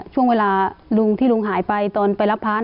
ช่วงเวลาลุงที่ลุงหายไปตอนไปรับพระ